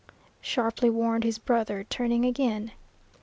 sharply warned his brother, turning again.